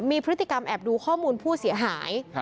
มีพฤติกรรมแอบดูข้อมูลผู้เสียหาย